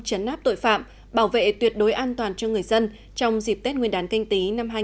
chấn áp tội phạm bảo vệ tuyệt đối an toàn cho người dân trong dịp tết nguyên đán canh tí năm hai nghìn hai mươi